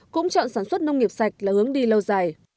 cũng chọn sản xuất nông nghiệp sạch là hướng đi lâu dài